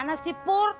pada mana sih pur